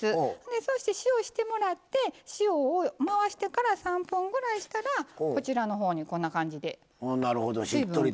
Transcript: そして、塩してもらって塩を回してから３分ぐらいしたらこんな感じで水分が。